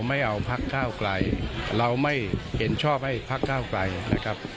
ไม่เอาภักษ์ข้าวไกลเราไม่เห็นชอบให้ภักษ์ข้าวไกล